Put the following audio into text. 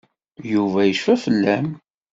Yuba yecfa fell-am.